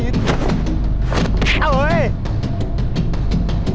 ระวัง